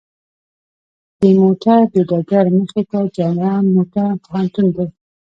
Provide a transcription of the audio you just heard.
د موته د ډګر مخې ته جامعه موته پوهنتون دی.